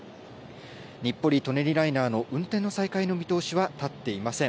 日暮里・舎人ライナーの運転再開の見通しは立っていません。